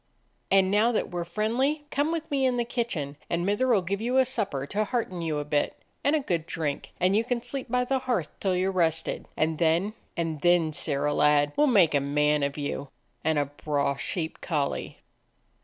"And now that we 're friendly, come with me in the kitchen, and mither 'll give you a supper to hearten you a bit, and a good 61 DOG HEROES OF MANY LANDS drink, and you can sleep by the hearth till you're rested. And then — and then, Sirrah lad, we 'll make a man of you, and a braw sheep collie."